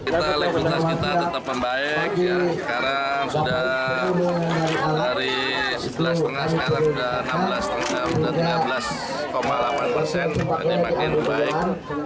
sebelas delapan persen ini makin baik